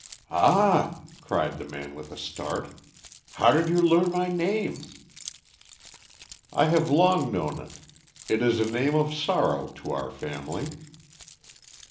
"Ah!" cried the man with a start. "How did you learn my name?" "I have long known it. It is a name of sorrow to our family.